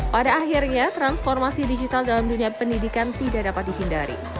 pada akhirnya transformasi digital dalam dunia pendidikan tidak dapat dihindari